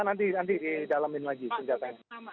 nanti di dalamin lagi senjata